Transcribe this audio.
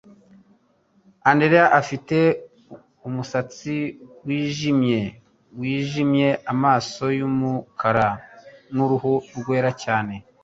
Andrea afite umusatsi wijimye wijimye, amaso yumukara nuruhu rwera cyane